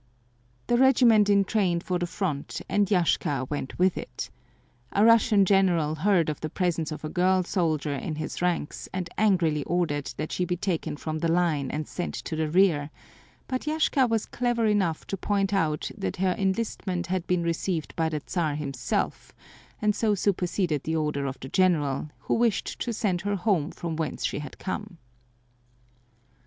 The regiment entrained for the front and Yashka went with it. A Russian general heard of the presence of a girl soldier in its ranks and angrily ordered that she be taken from the line and sent to the rear but Yashka was clever enough to point out that her enlistment had been received by the Czar himself and so superseded the order of the General, who wished to send her home from whence she had come.